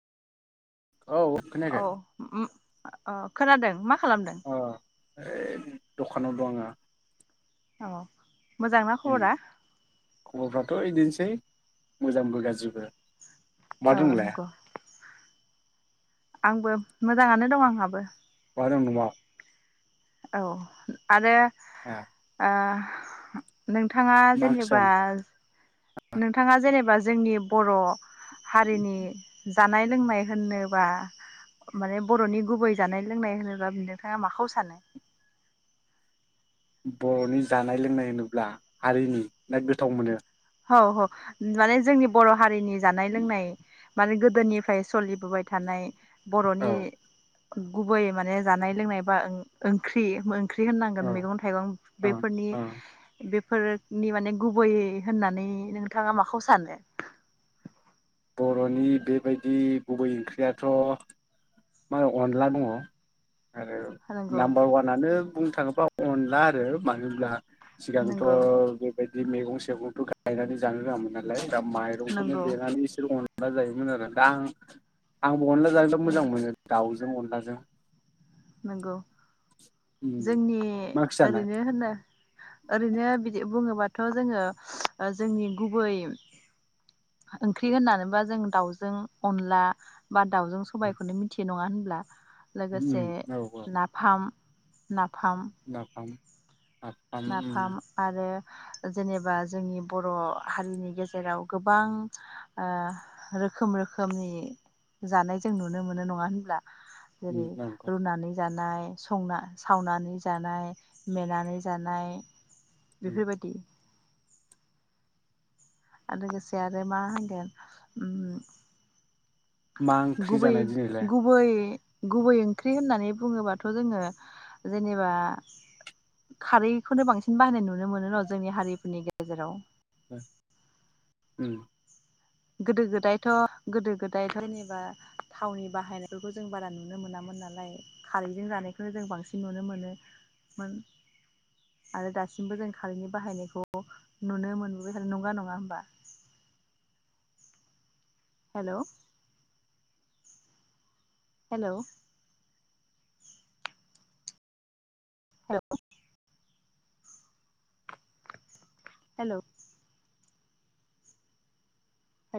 औ खोनायाखै औ ओम। अ अ खोनादों मा खालामदों? यै दखानाव दं आंहा। औ मोजांना खबरा? है मोजांबो गाज्रिबो। बहा औ दं नोंलाय नंगौ। आंबो मोजाङानो दं आंहाबो। [unintelligible] औ आरो हा ओ नोंथाङा ओंख्रि जेनेबा जानाय नोंथाङा जेनेबा जोंनि बर' हारिनि जानाय लोंनाय होननोबा माने बर'नि गुबै जानाय लोंनाय होनोबा नोंथाङा माखौ सानो? बर'नि जानाय लोंनाय होनोब्ला हारिनि ना गोथाव मोनो औ औ माने जोंनि बर' हारिनि। जानाय लोंनाय। माने गोदोनिफ्राय सलिबोबाय थानाय। औ बर'नि गुबै माने जानाय लोंनाय बा ओंख्रि ओंख्रि होननांगोन औ मैगं थाइगं औ बेफोरनि औ बे फोरनि माने गुबैयै होननानै नोंथाङा माखौ सानो बर'नि बेबायदि गुबै ओंख्रियाथ' मा अनला दङ आरो नंगौ नाम्बार वानानो बुंनो थाङोब्ला अनला आरो मानोब्ला सिगांथ' नंगौ बेबा बे मैगं सेगंथ' गायनानै जानो रोङामोन नालाय। दा माइरंखौनो नंगौ देनानै इस जायोमोन आरो दा आं अनला जानो मोजां नंगौ मोनो दाउ जों अनलाजों। नंगौ उम जोंनि मा ओंख्रि जानाय ओरैनो होनो ओरैनो बिदि बुङोबा थ' जोङो जोंनि गुबै ओंख्रि होननानै बुङोबा जों दाउजों अनला बा दाउजों सबायखौनो मिथियो नङा होनबा लोगोसे उम औ औ नाफाम ना। नाफाम नाफाम आरो जेनेबा जोंनि बर' हारिनि गेजेराव गोबां ओ रोखोम रोखोमनि जानाय जों नुनो मोनो नङा होनब्ला। उम जेरै नंगौ रुनानै जान जानाय संना सावनानै जानाय मेनानै जानाय। उम बेफोरबायदि आरो लोगोसे आरो मा होनदों उम मा ओंख्रि गुबै जानाय दिनैलाय गुबै गुबै ओंख्रि होननानै बुङोबाथ जोङो जेनेबा खारैखौनो बांसिन बाहायनाय नुनो मोनो र जोंनि हारिफोरनि गेजेराव उम गोदो गोदायथ गोदो गोदायथ जेनेबा थावनि बाहायनायफोरखौ जों बारा नुनो मोनामोन नालाय खारैजों जानायखौनो जों बांसिन नुनो मोनोमोन आरो दासिमबो जों खारैनि बाहायनायखौ नुनो मोनबोदों नंगौना नंङा होमबा? हेलौ हेलौ [inaudible] हेल'